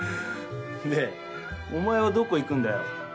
んでお前はどこ行くんだよ？